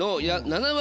７割？